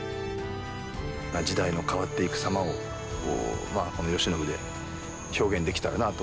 時代の変わっていく様をこの慶喜で表現できたらなぁと。